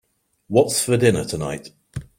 What's for dinner tonight?